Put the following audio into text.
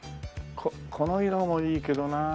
この色もいいけどなあ